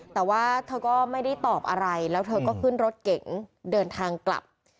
แต่ว่าเธอก็ไม่ได้ตอบอะไรแล้วเธอก็ขึ้นรถเก๋งเดินทางกลับ